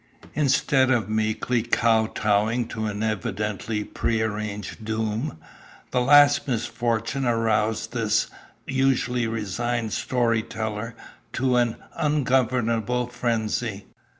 Instead of meekly kow towing to an evidently pre arranged doom, the last misfortune aroused this usually resigned story teller to an ungovernable frenzy.